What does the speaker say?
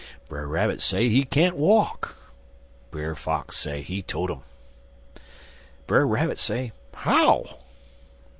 Brer Rabbit say he can't walk. Brer Fox say he tote 'im. Brer Rabbit say how?